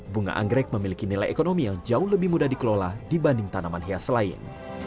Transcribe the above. bunga anggrek memiliki nilai ekonomi yang jauh lebih mudah dikelola dibanding tanaman hias lain